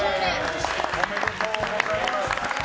おめでとうございます！